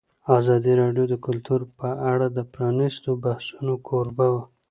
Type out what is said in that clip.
ازادي راډیو د کلتور په اړه د پرانیستو بحثونو کوربه وه.